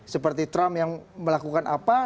seperti trump yang melakukan apa